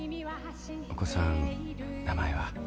お子さん名前は？